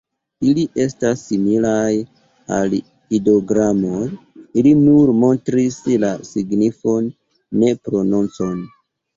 Ili estas similaj al ideogramoj: ili nur montris la signifon, ne prononcon.